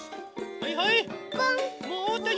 はいはい。